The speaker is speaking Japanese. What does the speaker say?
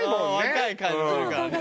若い感じするからね。